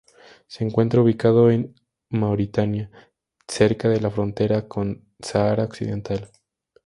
Se encuentra ubicado en Mauritania, cerca de la frontera con Sáhara Occidental.